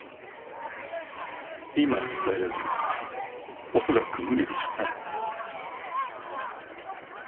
今ある材料では恐らく無理でしょうね。